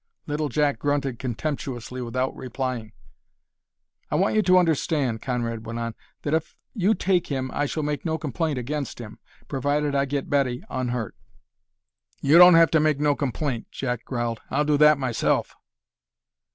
Little Jack grunted contemptuously without replying. "I want you to understand," Conrad went on, "that if you take him I shall make no complaint against him, provided I get Betty unhurt." "You don't have to make no complaint," Jack growled; "I'll do that myself."